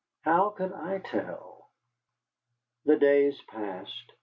How could I tell? The days passed.